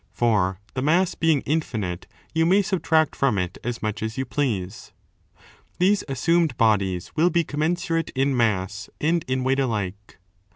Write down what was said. (For the mass being infinite you may subtract from it as much as you please.) These assumed bodies will be commensurate in mass and in weight alike.